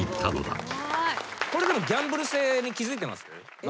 これギャンブル性に気付いてます？